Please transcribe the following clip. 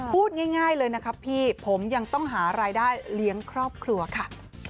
พูดง่ายเลยนะครับพี่ผมยังต้องหารายได้เลี้ยงครอบครัวค่ะ